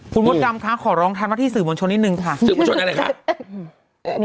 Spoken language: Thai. คุณมดดำคะขอร้องทำหน้าที่สื่อมวลชนนิดนึงค่ะสื่อมวลชนอะไรคะ